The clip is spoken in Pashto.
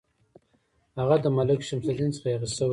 هغه د ملک شمس الدین څخه یاغي شوی وو.